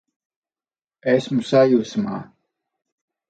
Esmu sajūsmā!